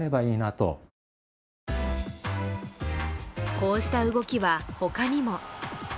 こうした動きは他にも。